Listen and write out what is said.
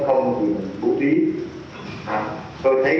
còn f thì phủ tí sơ thí tính toán như thế nào